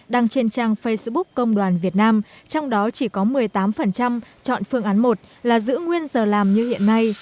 đăng trên trang facebook công đoàn việt nam trong đó chỉ có một mươi tám chọn phương án một là giữ nguyên giờ làm như hiện nay